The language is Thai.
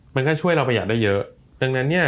มันก็ช่วยเราประหยัดได้เยอะดังนั้นเนี่ย